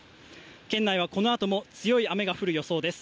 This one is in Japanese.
県内はこのあとも強い雨が降る予想です。